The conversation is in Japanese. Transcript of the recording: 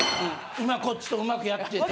今こっちとうまくやってて。